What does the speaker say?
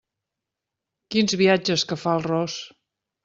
Quins viatges que fa el ros!